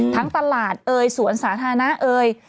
ตลาดเอ่ยสวนสาธารณะเอ่ย